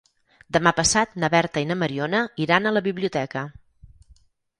Demà passat na Berta i na Mariona iran a la biblioteca.